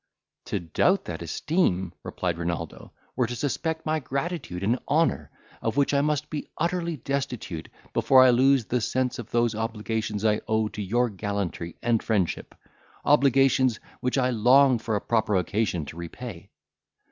"To doubt that esteem," replied Renaldo, "were to suspect my gratitude and honour, of which I must be utterly destitute before I lose the sense of those obligations I owe to your gallantry and friendship—obligations which I long for a proper occasion to repay."